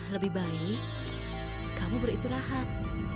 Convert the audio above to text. lebih baik kamu beristirahat